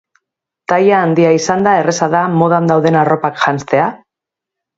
Taila handia izanda, erraza da modan dauden arropak janztea?